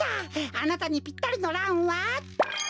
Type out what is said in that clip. あなたにぴったりのランは。